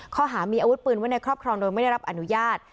ข้อหามีอาวุธปืนไว้ในครอบครองโดยไม่ได้รับอนุญาต